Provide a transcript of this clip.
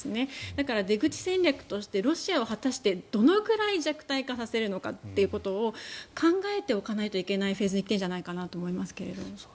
だから、出口戦略としてロシアを果たしてどのくらい弱体化させるかを考えておかないといけないフェーズに来てるんじゃないかなと思いますけれど。